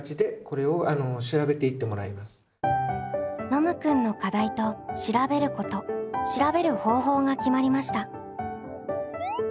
ノムくんの「課題」と「調べること」「調べる方法」が決まりました。